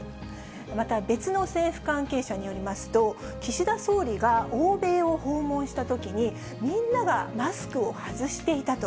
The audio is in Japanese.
また、別の政府関係者によりますと、岸田総理が欧米を訪問したときに、みんながマスクを外していたと。